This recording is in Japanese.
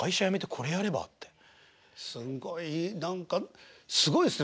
すごい何かすごいですね